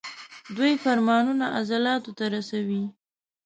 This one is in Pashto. دوی فرمانونه عضلاتو ته رسوي.